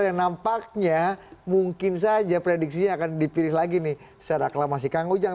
yang nampaknya mungkin saja prediksinya akan dipilih lagi nih secara aklamasi kang ujang